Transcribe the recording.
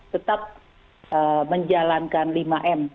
tetap menjalankan lima m